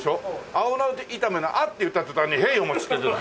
青菜炒めの「あ」って言った途端にへいお待ち！って出てくる。